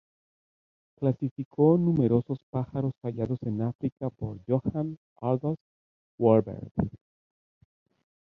Clasificó numerosos pájaros hallados en África por Johan August Wahlberg.